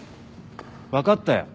分かったよ。